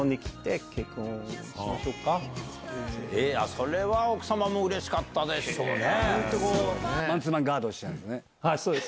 それは奥様もうれしかったでしょうね。